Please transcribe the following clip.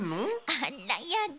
あらやだ。